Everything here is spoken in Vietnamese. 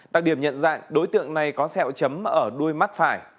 đặc điểm nhận dạng đối tượng này có sẹo chấm ở đuôi mắt phải